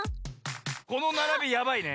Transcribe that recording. このならびやばいね。